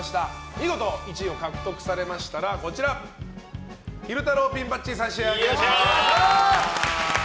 見事１位を獲得されましたら昼太郎ピンバッジを差し上げます。